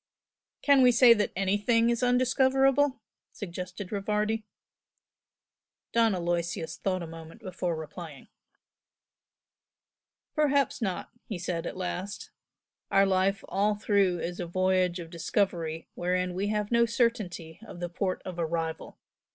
"Can we say that anything is undiscoverable?" suggested Rivardi. Don Aloysius thought a moment before replying. "Perhaps not!" he said, at last "Our life all through is a voyage of discovery wherein we have no certainty of the port of arrival.